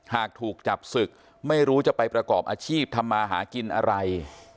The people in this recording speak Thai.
หากถูกจับศึกไม่รู้จะไปประกอบอาชีพทำมาหากินอะไร